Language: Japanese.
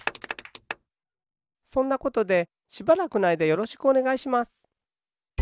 そんなことでしばらくのあいだよろしくおねがいします。